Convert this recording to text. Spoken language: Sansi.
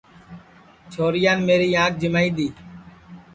چھورِیان میری آنٚکھ جِمائی دؔی